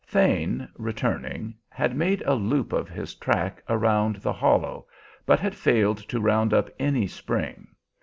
Thane, returning, had made a loop of his track around the hollow, but had failed to round up any spring.